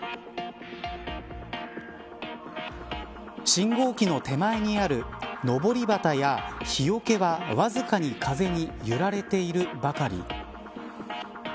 信号機の手前にあるのぼり旗や日よけはわずかに風に揺られているばかり。